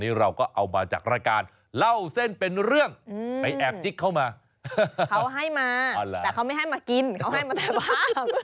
นี่เราก็เอามาจากรายการเล่าเส้นเป็นเรื่องไปแอบจิ๊กเข้ามาเขาให้มาแต่เขาไม่ให้มากินเขาให้มาแต่บ้าง